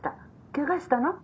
ケガしたの？